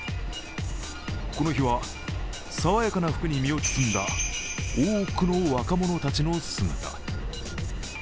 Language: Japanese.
この日は爽やかな服に身を包んだ多くの若者たちの姿。